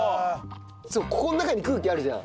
ここの中に空気あるじゃん。